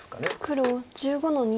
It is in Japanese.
黒１５の二。